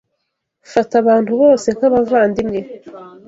Fata abantu bose nkabavandimwe